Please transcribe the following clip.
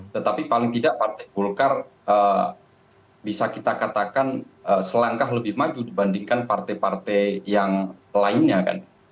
tetapi paling tidak partai golkar bisa kita katakan selangkah lebih maju dibandingkan partai partai yang lainnya kan